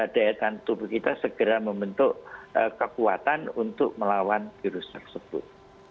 daya tahan tubuh kita segera membentuk kekuatan untuk melawan virus tersebut